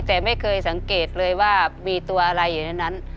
แต่ไม่เคยสังเกตเลยว่ามีตัวอะไรอยู่ในนั้น